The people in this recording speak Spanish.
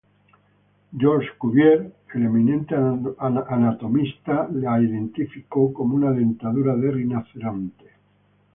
Georges Cuvier, el eminente anatomista, la identificó como una dentadura de rinoceronte.